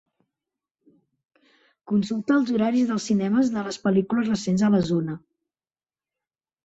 Consulta els horaris dels cinemes de les pel·lícules recents a la zona.